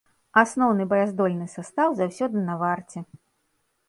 Асноўны баяздольны састаў заўсёды на варце.